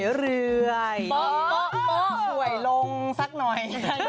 จุ๋ยลงสักหน่อย